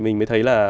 mình mới thấy là